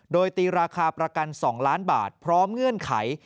โดยตีราคาประกัน๒ล้านบาทพร้อมเงื่อนไข